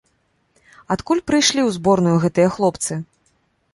Адкуль прыйшлі ў зборную гэтыя хлопцы?